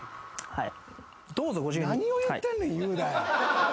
はい。